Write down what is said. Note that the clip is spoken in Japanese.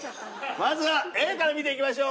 まずはＡから見ていきましょう。